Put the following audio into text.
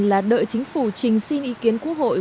là đợi chính phủ trình xin ý kiến quốc hội